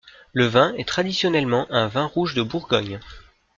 Le vin est traditionnellement un vin rouge de Bourgogne.